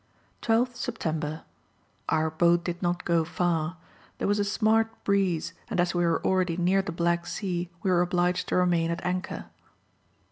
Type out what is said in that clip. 12th September. Our boat did not go far. There was a smart breeze, and as we were already near the Black Sea, we were obliged to remain at anchor.